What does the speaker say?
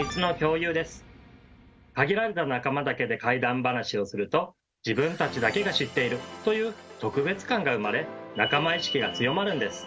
限られた仲間だけで怪談ばなしをすると「自分たちだけが知っている」という特別感が生まれ仲間意識が強まるんです。